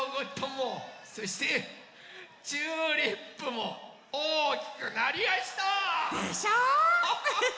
もそしてチューリップもおおきくなりやした！でしょう？